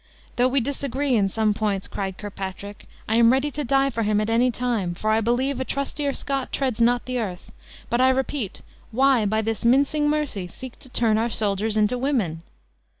"Though we disagree in some points," cried Kirkpatrick, "I am ready to die for him at any time, for I believe a trustier Scot treads not the earth; but I repeat, why, by this mincing mercy, seek to turn our soldiers into women?"